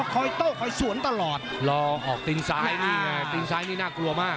โต้คอยสวนตลอดรอออกตีนซ้ายนี่ไงตีนซ้ายนี่น่ากลัวมาก